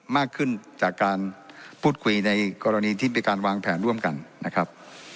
มากขึ้นจากการพูดคุยในกรณีที่มีการวางแผนร่วมกันนะครับ